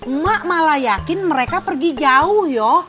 emak malah yakin mereka pergi jauh ya